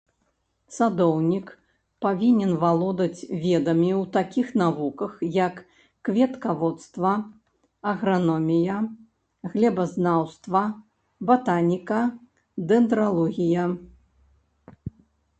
Садоўнік павінен валодаць ведамі ў такіх навуках, як кветкаводства, аграномія, глебазнаўства, батаніка, дэндралогія.